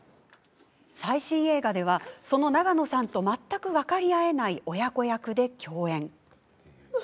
最新映画では、その永野さんと全く分かり合えない親子役で共演。